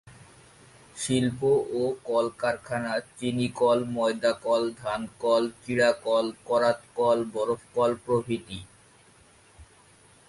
শিল্প ও কলকারখানা চিনিকল, ময়দাকল, ধানকল, চিড়াকল, করাতকল, বরফকল প্রভৃতি।